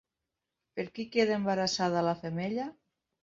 Per qui queda embarassada la femella?